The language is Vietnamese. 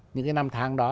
những cái năm tháng đó